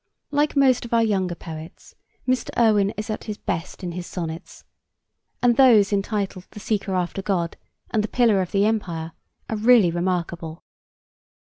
Like most of our younger poets, Mr. Irwin is at his best in his sonnets, and those entitled The Seeker after God and The Pillar of the Empire are really remarkable.